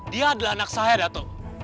dia adalah anak saya ratu